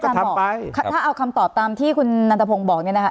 ถ้าเอาคำตอบตามที่คุณนันทพงศ์บอกเนี่ยนะคะ